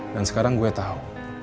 dan sekarang gue tau